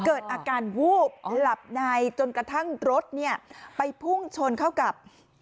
เกิดอาการวูบหลับในจนกระทั่งรถเนี่ยไปพุ่งชนเข้ากับ